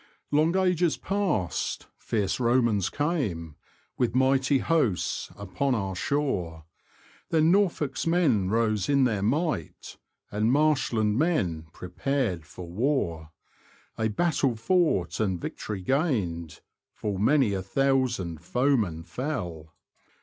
Long ages past fierce Romans came,f With mighty hosts, upon our shore ; Then Norfolk's men rose, in their might, And marshland men prepared for war ; A battle fought, and victory gained; Full many a thousand foemen fell.